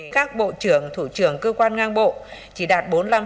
các bộ trưởng thủ trưởng cơ quan ngang bộ chỉ đạt bốn mươi năm